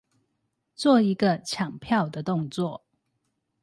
做一個搶票的動作